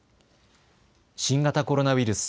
新型コロナウイルス。